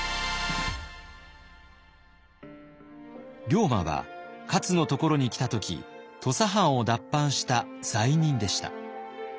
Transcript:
龍馬は勝のところに来た時土佐藩を脱藩した罪人でした。